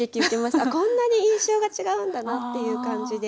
あっこんなに印象が違うんだなっていう感じで。